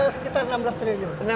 sekitar enam belas triliun